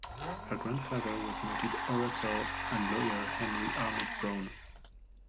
Her grandfather was noted orator and lawyer Henry Armitt Brown.